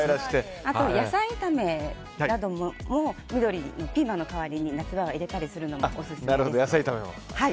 あとは、野菜炒めなども緑でピーマンの代わりに夏場は入れたりするのもオススメです。